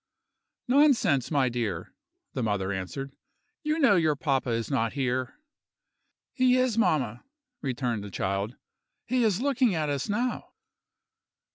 "Nonsense, my dear!" the mother answered, "you know your papa is not here!"—"He is indeed, mamma," returned the child, "he is looking at us now."